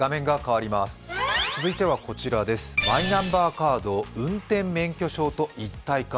続いてはこちらです、マイナンバーカード、運転免許証と一体化。